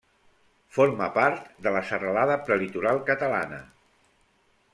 Forma part de la Serralada Prelitoral Catalana.